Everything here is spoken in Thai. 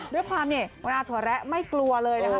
ด้วยความนี่อัตถวแร้ไม่กลัวเลยนะคะ